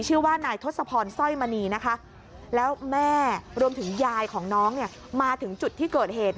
ชื่อว่านายทศพรสร้อยมณีนะคะแล้วแม่รวมถึงยายของน้องเนี่ยมาถึงจุดที่เกิดเหตุ